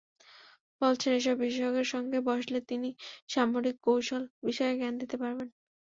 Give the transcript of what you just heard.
বলেছেন, এসব বিশেষজ্ঞর সঙ্গে বসলে তিনি সামরিক কৌশল বিষয়ে জ্ঞান দিতে পারবেন।